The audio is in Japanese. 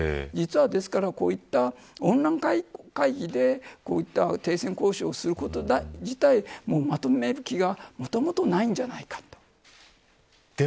実はこういったオンライン会議でこうした停戦交渉すること自体まとめる気がもともとないんじゃないかと。